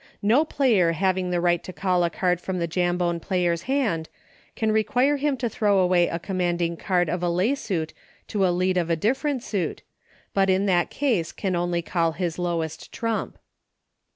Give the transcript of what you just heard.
No player having the right to call a card from the Jam bone player's hand, can require him to throw away a commanding card of a lay suit to a lead of a different suit, but in that case can only call his lowest trump.